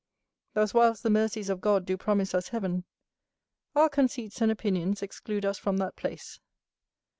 Thus, whilst the mercies of God do promise us heaven, our conceits and opinions exclude us from that place.